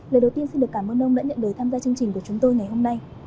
lời đầu tiên xin được cảm ơn ông đã nhận lời tham gia chương trình của chúng tôi ngày hôm nay